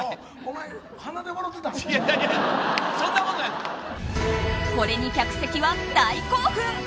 これに客席は大興奮！